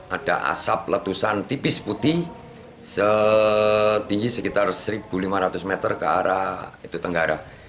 ada asap letusan tipis putih setinggi sekitar satu lima ratus meter ke arah tenggara